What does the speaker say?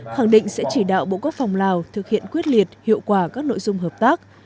khẳng định sẽ chỉ đạo bộ quốc phòng lào thực hiện quyết liệt hiệu quả các nội dung hợp tác